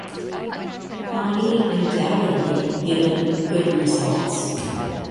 Vanni undoubtedly given good results.